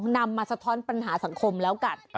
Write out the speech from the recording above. นำมาสะท้อนปัญหาสังคมแล้วกัน